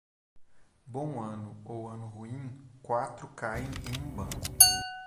Bom ano ou ano ruim, quatro caem em um banco.